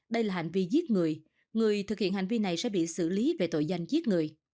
đây là hành vi giết người người thực hiện hành vi này sẽ bị xử lý về tội danh giết người